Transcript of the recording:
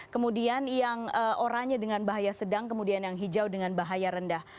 kemudian yang oranye dengan bahaya sedang kemudian yang hijau dengan bahaya rendah